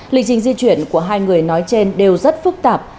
lịch trình di chuyển của hai người nói trên đều rất phức tạp